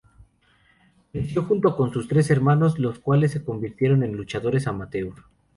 Creció junto con sus tres hermanos, los cuales se convirtieron en luchadores "amateur".